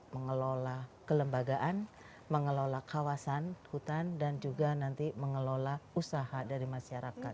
mengelola kelembagaan mengelola kawasan hutan dan juga nanti mengelola usaha dari masyarakat